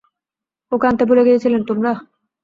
ওকে আনতে ভুলে গিয়েছিলে তোমরা?